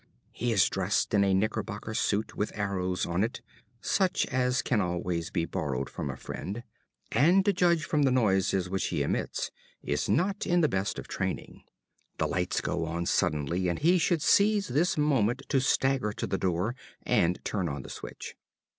He is dressed in a knickerbocker suit with arrows on it (such as can always be borrowed from a friend), and, to judge from the noises which he emits, is not in the best of training. The lights go on suddenly; and he should seize this moment to stagger to the door and turn on the switch.